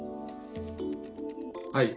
はい。